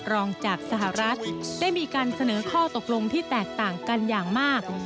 รองจากสหรัฐได้มีการเสนอข้อตกลงที่แตกต่างกันอย่างมาก